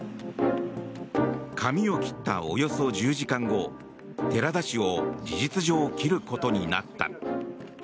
髪を切ったおよそ１０時間後寺田氏を事実上、切ることになった。